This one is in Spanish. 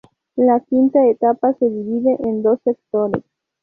La quinta etapa se divide en dos sectores.